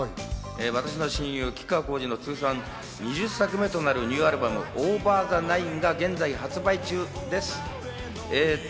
私の親友・吉川晃司の通算２０作目となるニューアルバム『ＯＶＥＲＴＨＥ９』が現在発売中です。